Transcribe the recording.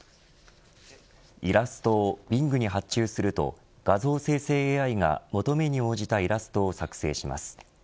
イラストをＢｉｎｇに発注すると画像生成ＡＩが求めに応じたイラストを作成します。